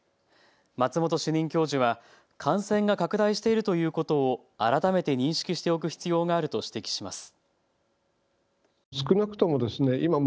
松本主任教授は感染が拡大しているということを改めて認識しておく必要があると指摘します。